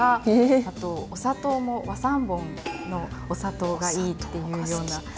あとお砂糖も和三盆のお砂糖がいいっていうような。